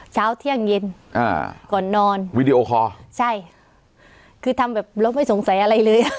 เช้าเที่ยงเย็นอ่าก่อนนอนวีดีโอคอร์ใช่คือทำแบบเราไม่สงสัยอะไรเลยอ่ะ